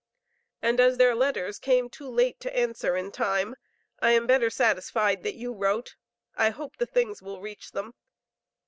And as their letters came too late to answer in time, I am better satisfied that you wrote. I hope the things will reach them.